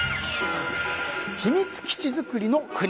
秘密基地作りの国。